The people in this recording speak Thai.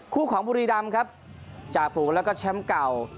คู่ของบุรีดำครับจ่าฝูงแล้วก็แชมป์เก่า